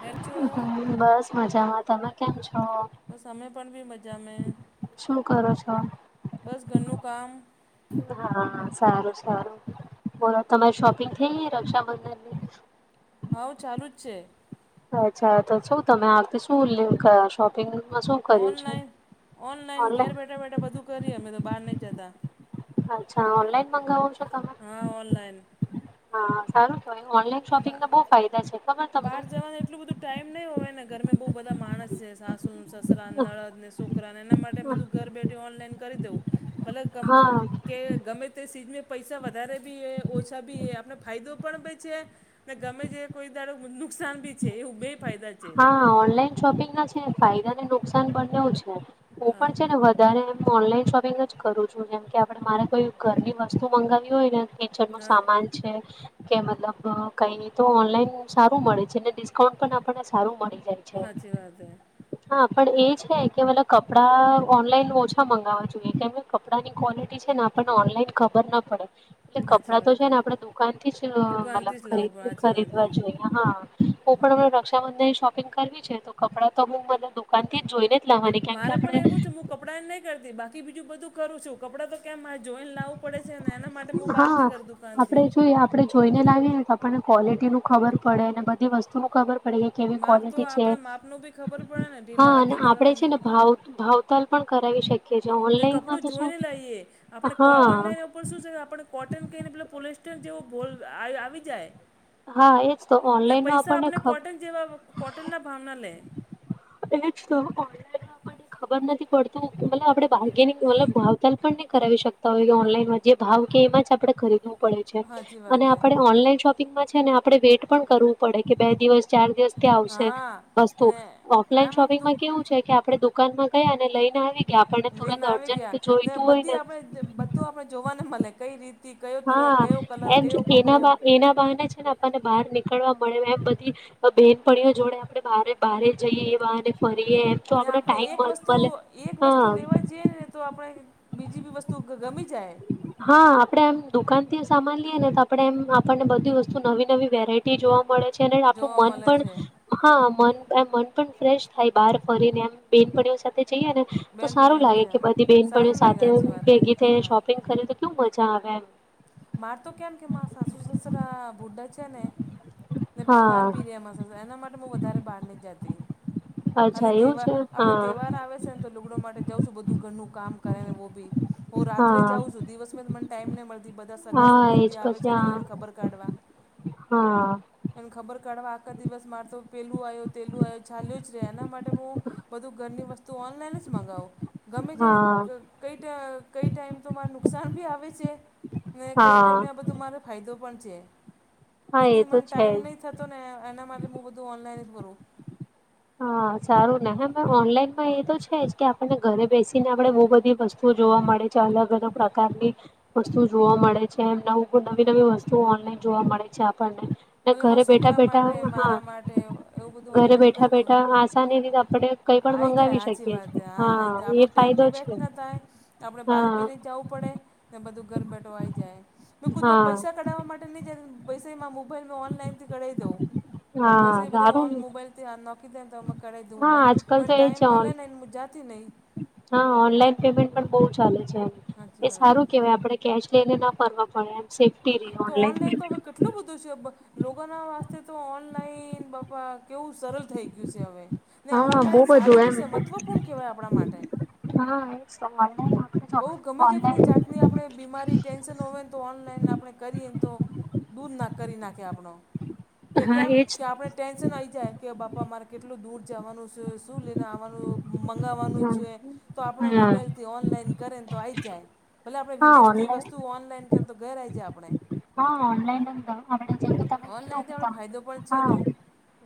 હેમ છો બસ મજામાં તમે કેમ છો બસ અમે પણ બી મજા મે શું કરો છો? બસ ઘરનું કામ હા સારું સારું બ તમારે શોપિંગ થઈ રક્ષાબંધન ની હ ચાલુ જ છે અચ્છા તો શું તમે આવતી શું શોપિંગમાં શું કર્યું છે? ઓનલાઈન ઓનલાઈન ઘેર બેઠા બેઠા બધું કરી અમે તો બહાર નહી જતા અ્છા ઓનલાન મંગાવો છો હા ઓનલાઈન તમે હા સારું શોપિંગો બહુ ફાયદા છે ખબર તમને એટલ બધું ટાઈમ નહીં હોય ને ઘર બુ બધ બધા માણસ છે સાસુ સસરા નળદ ને છોકરા ને એના માટે બધું ઘર બેઠું ઓનલાઈન કરી દો ભલાબ કામ હા કે ગમે તે સીઝને પૈસા વધારે બી હ ઓછા બી હ આપણે ફાયદો પણ બ છે ને ગમે જે કોઈ દારો નુકસાન ભી છે એ બે ફાયદા છે હા ઓનલાઈન શોપિંગ ના છે ફાયદા ને નુકસાન પણ એવું છે ઓ હા પણ છે ને વધારે હું ઓનલાઈન શોપિંગ જ કરું છું જેમ કે આપણે મારે કોઈ ઘરની વસ્તુ મંગાવી હોય ને એચનુંું હા સામાન કે મતલબ કઈ તો ઓનલાઈન સારું મળે છે ડિસ્કાઉન્ટ પણ આપ સારું મળી જાય છે. સાચી વાત હે હા પણ એ છે, કેલા કપડાં ઓનલાઈન ઓછા મંગાવવા જોઈએ, કે તારી ક્વોલિટી છે, ને આપણને ઓનલાઈન ખબર ના પડે. એટલે સાચી કપડાં તો વાત છે, હે ને આપણેે દુકાનથી જ મતલબ દુકાનથી જ લાવવું પણ ખરીદ સાચી વાત હે ખરીદવા જોઈએ, હકન હું પણ અમને રક્ષાબંધનની શોપિંગ કરવી છે, તો કપડાં તો હું મને દુકાનથી જ જોઈને. જ લાવવાની કેમ કે મારે પણ આપણે એવું છે, હું કપડાંને નહીં કરતી બાકી બીજું બધું જ. કરું છું, કપડાં તો કેમ મારે જોઈને લાવવું પડે છે, ને એના માટે હું બહાર હા થી કરું દુકાન થી આપણે જોઈએ આપણે જોઈને લાવીએ, ને તો આપણને ક્વોલિટીનું ખબર પડે અને બધી વસ્તુનું ખબર પડે. કેવી માપ તો ક્વોલિટી છે, આપણે માપનું બી ખબર પડે ને ઢીલા હા અને હાથી કેવા આપણે છે, મ- ને ભાવ ભાવ. તલ પણ કરાય શકે. કપડું જોઈને લઈએ આપણે હા ઓનલાઈન, શું છે, આપણે કોટન કહીને પે પોલસ્ટર જેવો ભોલ આવી જાય. હા એજ તો ને ઓનલાઈનમાં પૈસા આપણને આપણે ખબર કોટન જેવા કોટન ના ભાવના લે, એજ તો ઓ, ખબર નથી પડતું મતલબ આપડે બારગેનિંગ મતલબ ભાવતાલ પણ નહી કરાવી શકતા, હોય કે ઓનલાઈન માં. એ ભાવ કે એમાં જ આપણે ખરીદું, સાચી વાત હે આપણે ઓનલાઈન શોપિંગમાં છે, ને આપણે વેઇટ પણ કરવું પડે કે બે દિવસ. ચાર દિવસ ત્યાં આવશે હા વસ્તુ ને ઓફલાઈન આમ આમ દુ- શોપિંગમાં કેવું છે, કે આપડે તો. દુકાનમાં ગયા ને લઈને આવી, લઈને તુરંત આવી અર્જન્ટ ગયા ને જોઈતું હોય બધી આપણે બધું આપણે જોવાને મળે કઈ રીત. હા એમ એના એના કારણે છે, ને આપણને બહાર નીકળવા મળે એમ બધી. બેનપણીઓ જોડે આપણે બારે જઈએ એવાને ફરીએ. તો ને આપડે આપણે ટાઈમ એક વસ્તુ મળે એક વસ્તુ હા લેવા જ. જેએ ને તો આપણે બીજી બી વસ્તુ ગમી જાય, હા આપડે એમ દુકાન થી સામાન લઈએ નેતો આપડે એમ આપણને બધી વસ્તુ નવી નવી વેરાઈટી જોવા મળે. છે, ને આપણું જોવા મન મળે પણ. છે હા મન એમ મન પણ ફ્રેશ થાય, બહાર ફરીને એમ બેન ભણીઓ સાથે જઈએ. ને તો બેનપણી સારું લાગે હાજી કે હા બધી બહેનપણીઓ સારું લાગે સાથે આછી વાત ભેગી થઈને હા શોપિંગ કરે તો કેવું મજા આવે, એમ મારે તો કેમ કે મા સાસુ સસરા બૂઢા છે, ને ને બીમાર હા ભીરે એમાં એના માટે હું વધારે બહાર નહી જતી. અચ્છા ખાલી એવું તહેવાર, છે આપણે હા તહેવાર આવે છે, ને તો લુગડો માટે જાઉ છું, બધું ઘરનું કામ કરે ને મોભી. હું રાત્રે હા જાઉં છું, દિવસ મને ટાઈમ નહીં મળે. બધા સગા- હા એજ સંબંધી આવે પછી છે, નહીંને હા ખબર કાઢવા. હા એને ખબર કાઢવા આખા દિવસ મારે તો પેલું આવ્યો, પહેલું આવ્યો ચાલ્યું જ રહે એના માટે હું, બધું ઘરની વસ્તુ ઓનલાઈન જ મંગાવું, ગમે તે હા કંઈ ટ કંઈ ટાઈમ તો મારે નુકસાન બી આવે છે. ને કંઈ હા ટાઈમે આ બધું મારે ફાયદો પણ છે, હા લેક એ તો મને છે ટાઈમ જ નહીં થતો. ને એના માટે હું બધું ઓનલાઈન ભરું હા સારું નાને ઓનલાઈનમાં એ તો છે જ કે આપને ઘરે બેસીને આપડે બહુ બધી વસ્તુ જોવા મળે છે અલગ અલગ પ્રકારની વસ્તુ જોવા મળે છે, એમ નવું નવી નવી વસ્તુ ઓનલાઈન જોવા મળે છે, આપણને ને ભલે ઘરે બેઠા છોકરા માટે બેઠા હા મારા માટે એવું બધું ઘરે ઓનલાઈન બેઠા કરી દ બેઠા આસાની રીતે આપણે કઈ પણ આઈ જાય મંગાવી સાચી શકીએ વાત છીએ હા આ જાય આપણો એ ટાઈમ ફાયદો ભી છે બેસ્ટ ના થાય. આપણે બહાર હા ભી નઈ જવું પડે. બધું ઘર બેઠો આવી જાય બે ખુદમાં હા પૈસા કઢાવવા માટે નહીં નય પૈસામાં. ઓનલાઈનથી કરાઈ દઉ હા પૈસા બધા ઓ સારું ને મોબાઈલથી આ નોકી દમ તો કર દઉ હા બાર, આજકાલ તો પણ એ છે ટાઈમ ઓન મલેને નહીં મુંઝાતી નહી. હા ઓનલાઈન પેમેન્ટ પણ બહુ ચાલે છે, સાચી એ વાત છે સારું કેવાય આપે. કેશ લઈને ના પડે એમ. સેફ્ટી રહે. તો ઓનલાઈન તો હવે કેટલું. એટલું બધું છે, લોકોના વાસ્તે તો ઓનલાઈન બાપા કેવું સરળ થઈ ગયું છે. હવે ને હા બહુ ઓનલાઈન બધું સારું એમ બી છે મહત્વપૂર્ણ કહેવાય આપણા માટે હા જો બહુ ગમે તેટલી ઓનલાઈન જાતની આપણે બીમારી ટેન્શન હોય તો ઓનલાઈન આપણે કરીએને તો દૂર ના કરી નાખે આપણો કે હા કેમ એજ કે આપણે ટેન્શન આવી જાય કે બાપા મારે કેટલું દૂર જવાનું છે શું લઈને આવવાનું મંગાવવાનું હા છ તો આપણે હા મોબાઈલથી ઓનલાઈન કરે ને તો આવી જાય ભલે આપણે હા વિદેશથી ઓનલાઈન વસ્તુઓ ઓનલાઈન કર તો ઘરે આવી જાય આપણે હા ઓનલાન તમે ઓનલાઈનથી આપણે ફાયદો પણ છે ને હા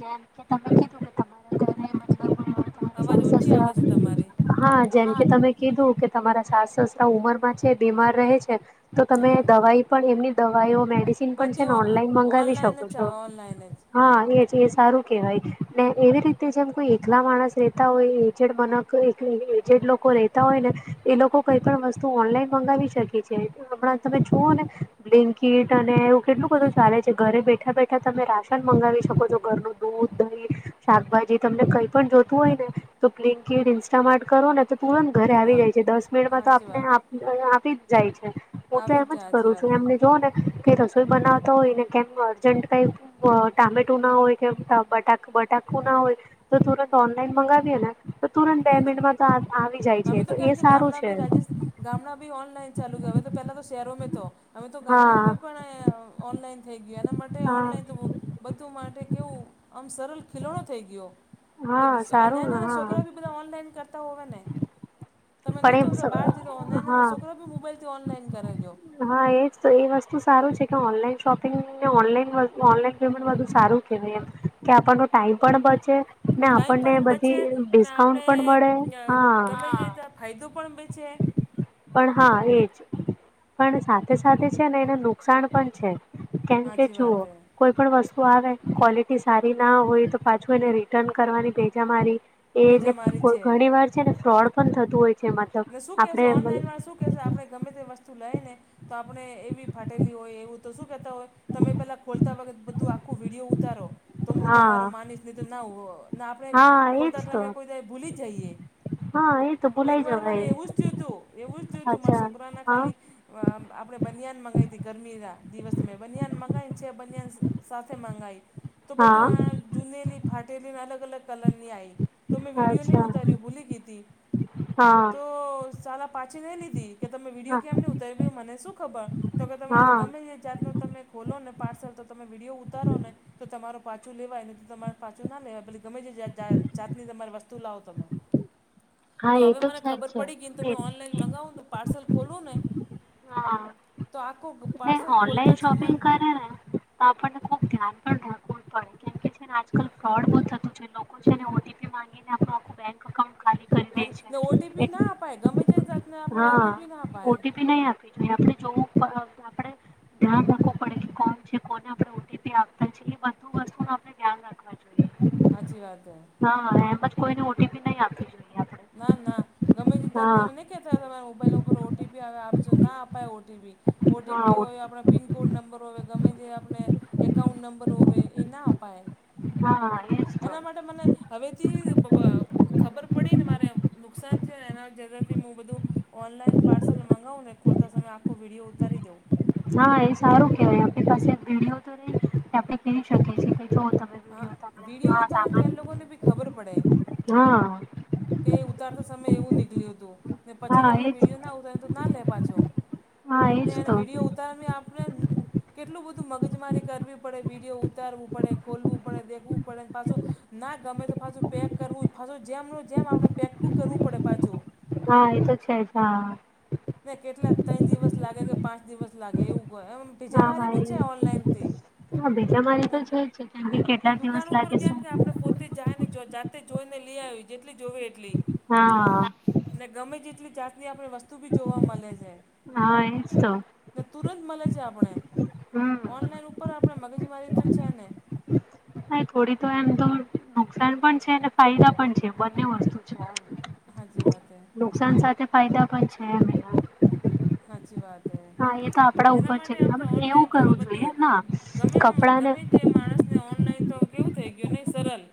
જેમ કે તમે કીધું કે તમારા અવાજ ઘર ઓછી આવે છે તમારી. સ્ત્ર હા જેમ કે તમે કીધું કે તમારા સાસ સસરા ઉમરમાં છે બીમાર રહે છે તો તમે હા. દવાઈ પણ એમની દવા મેડિસન પણ બધી છે ઓ ને ઓનલાઈન મગાવી ઓનલાઈન શકો જ છો આવે ઓનલાઈન જ. હા એજ એ સારું કેહેવાય ને એવી રીતે જેમ કોઈ એકલા માણસ રહેતા હોય એ જેડ મને જે લોકો રહેેતા હોય ને એ લોકો કઈ પણ વસ્તુ ઓનલાઈન મંગાવી શકે છે હણાં તમે જુઓ ને બિકીિટ અને એવું કેટલું બધું ચાલે છે ઘરે બેઠા બેઠા તમે રાશન મંગાવી શકો છો ઘરનું દૂધ દહીં [inaudible] શાકભાજી તમને કઈ પણ જોતું હોય ને તો પ્લિંકડ ઇન્સ્ટા માર્ટ કરો ને તો તુરંત ઘરે આવી હા જાય છે દસ મિનિટમાં તો હાચી આપને વાત. આપી જ જાય છે હું તો આવી એમ જ જાય હાચી કરું વાત છું હે. એમને જો ને કે રસોઈ બનાવતા હોય ને કેમ અર્જન્ટ કઈ ટામેટું ના હોય કેમ બટ બટાકુ ના હોય તો તુરંત ઓનલાઈન મંગાવીએે ને તો તુરંત બે હાચી મિન્ટમાં તો આવી જાય છે અમે તો કેમ એ કે સારું ગામડા છે બી રાજેશ ગામડા બી ઓનલાઈન ચાલુ ગયા હવે તો પહેલાં તો શહેરોમાં તો હમે તો હા ગામડામાં પણ ઓનલાઈન થઈ ગય એના માટે હા ઓનલાઈન તો બધું માટે કેવું આમ સરળ ખીલણો થઈ ગયો કે હા નાના નાના સારું હા છોકરા બી બધા ઓનલાઈન કરતા હોય ને તમે નહી પણ કે બાર જે એ ઓનને હા છોકરો પણ મોબાઈલથી ઓનલાઇન કર દો હા એ જ તો એ વસ્તુ સાર છે કે ઓનલાઈન શોપિંગને ઓનલાઈન ઓનલાઈન પેમેન્ટ બધુ સારું કહેવાય એમ કે આપણનો ટાઈમ પણ બચે ને ટાઈમ આપણને પણ બધી બચે ને ડિસ્કાઉન્ટ આપણે પણ મળે હા ગમે ફાયદો પણ બ છે પણ હા એજ પણ સાથે સાથે છે ને એને નુકસાન પણ છે કેમ કે સાચી જુઓ વાત હે કોઈ પણ વસ્તુ આવે ક્વોલિટી સારી ના હોય તો પાછું એને રિટર્ન કરવાની ભેજા મારી એને બેજમારી છે ઘણી વાર છે ને ફ્રોડ પણ થતું હોય છે ને મતલબ શું કહેશે આપણે ઓનલાઈન વાળ શું કહેશે આપણે ગમે તે વસ્તુ લઈ ને તો આપણે એવી ફાટેલી હોય એવું તો શું કેહેતા હોય તમે પેલા ખોલતા વખતે બધું આખું વિડીિયો ઉતારો તો હું હા તમારો માનીશ નહી તો ના આપણે હા ખોલતા એજ તો ટમે કોઈ દ ભૂલી જઈએ હા એ તો એક ભૂલાઈ વાર મારે એવું જવાય જ થયું તું એવું જ થયું તું મારા અચ્છા છોકરાને હા ખાલી આપણે બનિયાન મગાવી હતી ગરમીના દિવસ મેં બનિયાન મંગાવને છે બનિયાન સાથે ગાય તો બધું હા આ જૂનેલી ફાટેલીને અલગ અલગ કલર ન આવીઈ તો મેં વ વિડિયો ન અચ્છા ઉતારી ભૂલી હતી હા તો ચાલા પાછી નહી લીધી કે તમે વિડીયો હા કેમ નહીં ઉતારી ગ મને શું ખબર તો કે તરે હા ગમે એ જાતનો તમે ખોલો ને પાર્સલ તો તમે વિડીયો ઉતારો ને તો તમારરો પાછું લેવાય ન તો તમારે પાછું ના લેવાય પ ગમે છે જાતની તમારી વસ્તુ લાવો તમે હા તો એ હવે મને છે જ ખબર છે પડી ગઈ ન તો એ મેં ઓનલાઇન મંગાવૉ તો પાર્સલ ખોલું ને હા તો આખું ને પાર્સલ ખોલતા ઓનલાઈન જય શોપિંગ કરે ને તો આપણને ખુબ ધ્યાન પણ રાખવું જ પડે કેમ કે આજકાલ ફોડ બહુ થતું છે. કોઈ છે નીઓટીપી માંગી ને આપનુ આખું બેંક એકાઉન્ટ ખાલી હા કરી દે ને છે ઓટીપી એટલે ના અપાય ગમે તે જાતને આપણે ઓટીપી ના હા અપાય ઓટીપી નહી આપણે જોવું આપણે ધ્યાન રાખવું પડે કે કોણ છે કોને આપણે ઓટીપી આપ એચ્યુલિ બધુ વસ્તુ નું આપણે ધ્યાન રાખવા જોઈએ હાછી વાત હૈ હા એમ ઓટીપી નહી આપવી જોઈએ આપણે ના ના ગમે તેત નેમે હા નહી કેતા તમારા મોબાઈલ ઉપર ઓટીપી આપશો ના આપ ઓટીપી ઓટીપી હા હોય આપણે પિનકોડ નંબર હોવે ગમે જે આપને એકાઉન્ટ નંબર હોવે એ ના અપાય. હા એ એના માટે મને હવેથી ખબર પડી ને મારે નુકસાન થયું ને એના જથી હું બધું. ઓનલાઈન પાર્સલ મગાવું ને ખોલતા સમયે આખો વિડીયો ઉતારી દવં હા એ સારું કેવાય આપણી પાસે વિડીઓ તો રહે આપે કહી શકીએ છીએ કે જો ત હા વિડીયો ઉતારે તો એ લોકોને બી ખબર પડે હા કે ઉતારતા સમયે એવું નીકળ્યું હતું. ને પછી તો હા આપણે એજ વિડીયો ના ઉતારીએ તો ના લે પાછો હા ને એજ એને તો વિડીયો. ઉતારમે આપણે કેટલું બધું મગજમારી કરવી પડે વિડીયો ઉતારવું પડે ખોલવું પડે દેખવું પડે પાછું ના ગમે તો પાછું પેક કરવું પાછું જેમનું જેમ આપણે પેક બુક કરવું પડે પાછું. હા એ તો જ છે હા ને કેટલા ત્રણ દિવસ લાગે કે પાંચ દિવસ લાગે એવું. ભેજા હા મારી બી છે ભાઈ ઓનલાઈનથી હા ભેજા મારી તો છે છે કેમકે ને કેટલા દિવસ દુકાન ઉપર લાગે છે. કેમ કે આપણે પોતે જાયને જાતે જોઈને લઈ આવી જેટલી જોવે એટલી હા. ને ગમે તેટલી જાતની આપણી વસ્તુ બી જોવા મળે છે. હ ને તુરંત મળે છે આપણે હમ ઓનલાઈન ઉપર આપણે મગજમારી તો છે ને થોડી તો એમ તો નુકસાન પણ છે અને ફાયદા પણ છે. બંને વસ્તુ સાચી છે વાત હે નુકસાન સાથે ફાયદા પણ છે. સાચી વાત હ હા એ તો આપડા એના ઉપર છે માટે અમને એવું ઓનલાઈન તો અમે કરવું જોઈએ બધું. ના ગમે કપડાને ગમે તે માણસને ઓનલાઈન તો કેવું થઈ ગયું નહી સરળ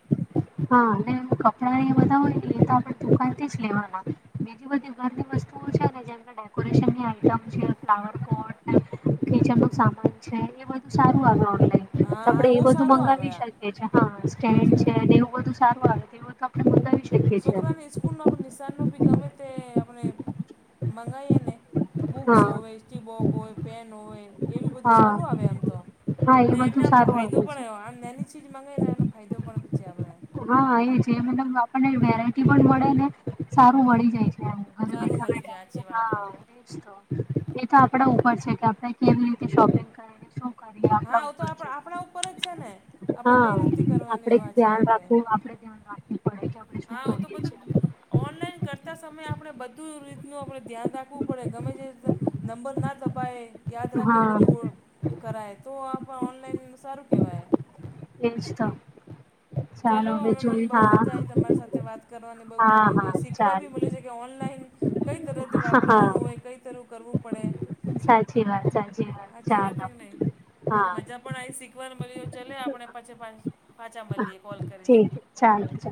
હા અને કપડા એ બધા હોય લેતા આપડે દુકાન થીજ લેવાના. બ બધી ઘરની વસ્તુઓ છે ને જેમ ડેકોરેશનની આઈટમ છે ફ્લાવર કોટ કિચન નું સામાન છે એ બધું સારું આવે ઓનલાઈન હા હા આપડે એ ઓ બધું સારું આવે મંગાવી આ શકીએી હા સ્ટેન્ અચ્છા છે હા બધુ સારું આવે આપણે મંગા શકીએ છીએ છોકરાને સ્કૂલનો પણ નિશાનનો બી ગમે તે આપણે મંગાવીએ ને બુક્સ હા હોય વેસ્ટ્રીબોક હોય. પેન હોય એવી બધું હા સારું આવે એમ તો હા ને એ એને બધું આપણે સારું ફાયદો આવે છે પણ આમની ચીજ મંગાવાનો ફાયદો પણ છે આપણે હા એ છે મતલબ આપણને વેરાયટી પણ મળે ને સારું મળી જાય છે. ઘરે સારું બેઠા મળી જાય બેઠા સાચી વાત. હા એ જ તો આપડા ઉપર છે કે આપણે કેવી રીતે શોપિંગ કરીશું. હા આપણા તો ઉપર આપ છે આપણા ઉપર જ છે ને આપણે હા કઈ રીતે કરવાની આપણે સાચી ધ્યાન વાત રાખ તો આપડે ધ્યાન રાખવું પડે કે આપણે શું હા હ તો કરીએ બધું છીએ. ઓનલાઈન કરતા સમયે આપણે બધું રીતનું આપણે ધ્યાન રાખવું પડે ગમે તે રીતે નંબર ના દબાય યાદ રાખીને હા. બધું કરાય તો આપણ ઓનલાઈન સારું કહેવાય એજતા ચાલલો અમે મને બહુ મજા આવી તમારી સાથે વાત કરવાની બ ગમ હા હા શીખવા ચાલ બી મળી છે કે ઓનલાઈન કઈ તરફથી વાપરવાનું હા હોય કઈ તરું કરવું પડે સાચી વાત કે નહીં [inaudible] મને મજા પણ આવી શીખવાનું મળી હો ચલે આપણે પાછી પાછા મળીએ કોલ કરીશ ચા ચ